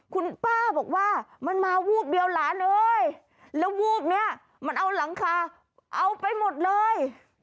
คุณป้าบอกว่ามันมาวูบเดียวหลานเอ้ยแล้ววูบเนี่ยมันเอาหลังคาเอาไปหมดเลย